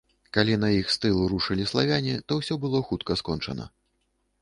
Калі на іх з тылу рушылі славяне, то ўсё было хутка скончана.